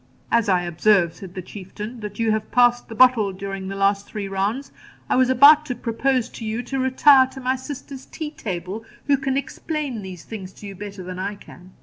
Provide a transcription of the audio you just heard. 'As I observe,' said the Chieftain, 'that you have passed the bottle during the last three rounds, I was about to propose to you to retire to my sister's tea table, who can explain these things to you better than I can.